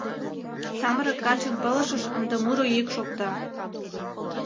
Самырык качын пылышыш ынде муро йӱк шокта.